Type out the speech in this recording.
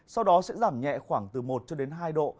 sau đó sẽ giảm nhẹ khoảng từ một cho đến hai độ